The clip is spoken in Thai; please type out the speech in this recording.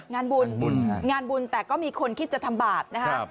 งานบุญงานบุญแต่ก็มีคนคิดจะทำบาปนะฮะ